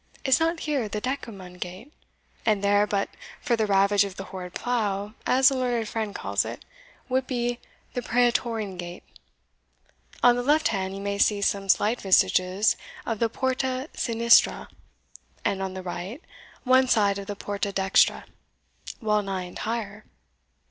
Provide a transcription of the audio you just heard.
Is not here the Decuman gate? and there, but for the ravage of the horrid plough, as a learned friend calls it, would be the Praetorian gate. On the left hand you may see some slight vestiges of the porta sinistra, and on the right, one side of the porta dextra wellnigh entire.